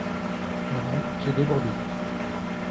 Madame, j’ai de gros doutes.